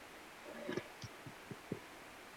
张福兴出生于竹南郡头分庄。